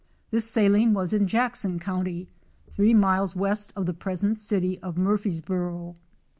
This saline was in Jackson county, three miles west of the present city of Murphysboro.